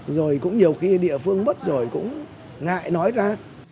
rồi cũng nhiều khi địa phương mất rồi cũng ngại nói ra